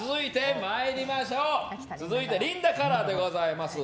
続いてリンダカラー∞でございます。